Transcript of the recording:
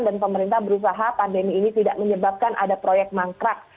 dan pemerintah berusaha pandemi ini tidak menyebabkan ada proyek mangkrak